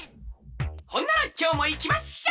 ほんならきょうもいきまっしょ！